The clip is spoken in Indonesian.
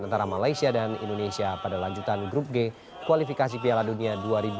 antara malaysia dan indonesia pada lanjutan grup g kualifikasi piala dunia dua ribu dua puluh